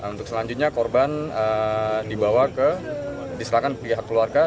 untuk selanjutnya korban dibawa ke diserahkan pihak keluarga